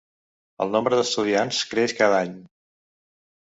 El nombre d'estudiants creix cada any.